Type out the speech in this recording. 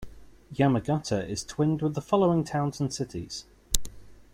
Yamagata is twinned with the following towns and cities.